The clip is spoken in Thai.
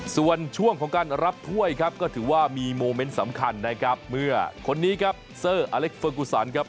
ส่วนช่วงของการรับถ้วยครับก็ถือว่ามีโมเมนต์สำคัญนะครับเมื่อคนนี้ครับเซอร์อเล็กเฟอร์กูซันครับ